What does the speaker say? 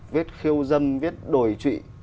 viết khiêu dâm viết đồi trụy